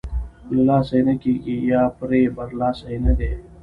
له لاسه یې نه کېږي یا پرې برلاسۍ نه دی.